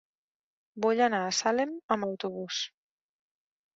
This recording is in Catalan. Vull anar a Salem amb autobús.